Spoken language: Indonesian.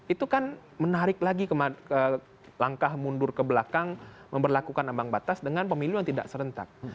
itu kan menarik lagi langkah mundur ke belakang memperlakukan ambang batas dengan pemilu yang tidak serentak